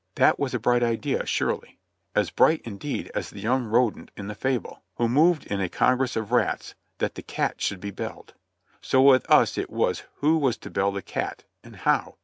That was a bright idea, surely, as bright indeed as the young rodent in the fable, who moved in a congress of rats, "that the cat should be belled." So with us it was who was to "bell the cat," and how?